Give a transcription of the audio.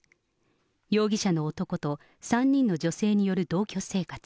容疑者の男と３人の女性による同居生活。